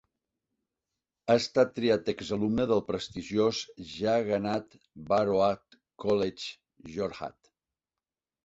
Ha estat triat exalumne del prestigiós Jagannath Barooah College, Jorhat.